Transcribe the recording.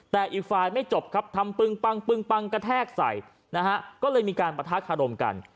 แต่อีกฝ่ายไม่จบครับทำปึงปังปึงปังกระแทกใส่นะฮะก็เลยมีการประทะคารมกัน